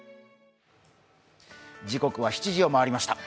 時刻は７時を回りました。